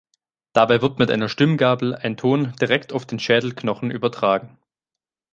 Dabei wird mit einer Stimmgabel ein Ton direkt auf den Schädelknochen übertragen.